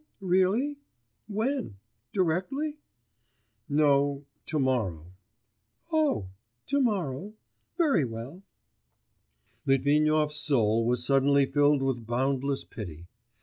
really? when? directly?' 'No, to morrow.' 'Oh! to morrow. Very well.' Litvinov's soul was suddenly filled with boundless pity.